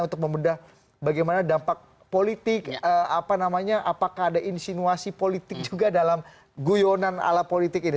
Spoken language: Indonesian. untuk membedah bagaimana dampak politik apa namanya apakah ada insinuasi politik juga dalam guyonan ala politik ini